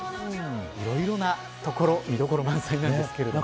いろいろなところ見どころ満載です。